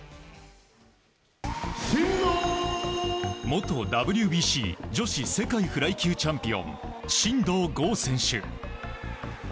元ＷＢＣ女子世界フライ級チャンピオン真道ゴー選手。